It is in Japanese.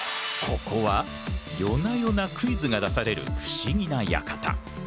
ここは夜な夜なクイズが出される不思議な館。